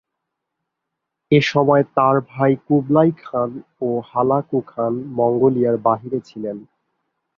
এসময় তার ভাই কুবলাই খান ও হালাকু খান মঙ্গোলিয়ার বাইরে ছিলেন।